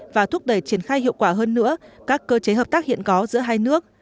và thúc đẩy triển khai hiệu quả hơn nữa các cơ chế hợp tác hiện có giữa hai nước